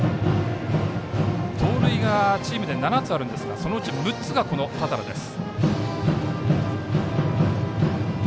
盗塁がチームで７つあるんですがそのうち６つが、この多田羅です。